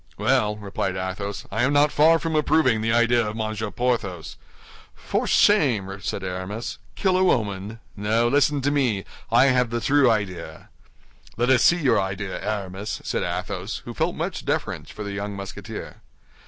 "Well," replied Athos, "I am not far from approving the idea of Monsieur Porthos." "For shame!" said Aramis. "Kill a woman? No, listen to me; I have the true idea." "Let us see your idea, Aramis," said Athos, who felt much deference for the young Musketeer.